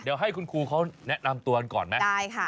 เดี๋ยวให้คุณครูเขาแนะนำตัวกันก่อนไหม